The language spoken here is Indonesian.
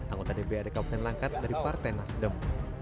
anggota db adekabunan langkat dari partai nasdem